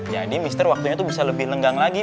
jadi mister waktunya tuh bisa lebih lenggang lagi